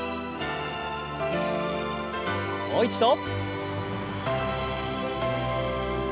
もう一度。